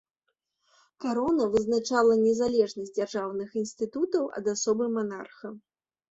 Карона вызначала незалежнасць дзяржаўных інстытутаў ад асобы манарха.